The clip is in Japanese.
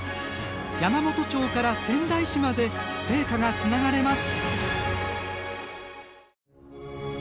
山元町から仙台市まで聖火がつながれます。